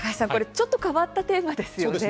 ちょっと変わったテーマですね。